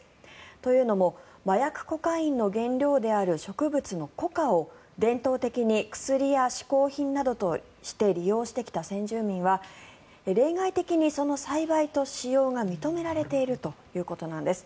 というのも麻薬コカインの原料である植物のコカを伝統的に薬やし好品などとして利用してきた先住民は例外的にその栽培と使用が認められているということです。